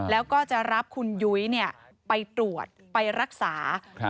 แล้วก็จะรับคุณยุ้ยไปตรวจไปรักษา